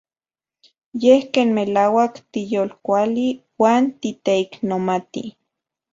Yej ken melauak tiyolkuali uan titeiknomati.